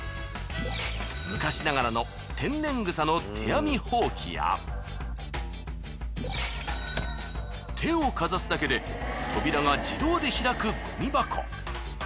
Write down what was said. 昔ながらの天然草の手編みほうきや手をかざすだけで扉が自動で開くゴミ箱。